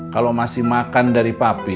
kalau masih makan dari papi